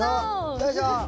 よいしょ！